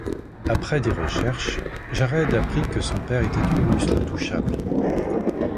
Après des recherches, Jared apprit que son père était Unus l'Intouchable.